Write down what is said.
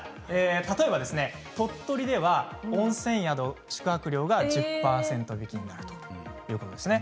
例えば、鳥取では温泉宿、宿泊料が１０％引きになるということです。